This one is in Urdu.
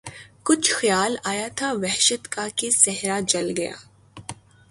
کچھ خیال آیا تھا وحشت کا کہ صحرا جل گیا